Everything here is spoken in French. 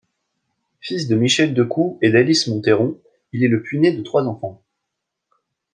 Fils de Michel Decoux et d'Alice Mathéron, il est le puîné de trois enfants.